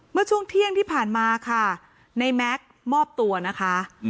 เมื่อช่วงเที่ยงที่ผ่านมาค่ะในแม็กซ์มอบตัวนะคะ